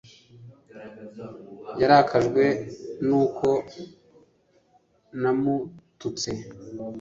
Yarakajwe nuko namututse